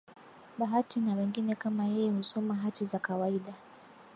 Bahati na wengine kama yeye husoma hati za kawaida.